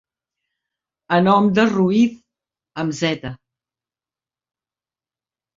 A nom de Ruiz, amb zeta.